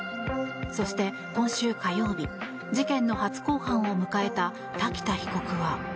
そして、今週火曜日事件の初公判を迎えた瀧田被告は。